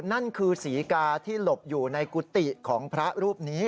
นั่นคือศรีกาที่หลบอยู่ในกุฏิของพระรูปนี้